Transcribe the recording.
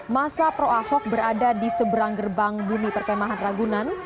masa pro ahok berada di seberang gerbang bumi perkemahan ragunan